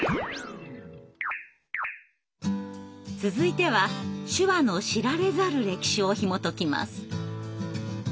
続いては手話の知られざる歴史をひもときます。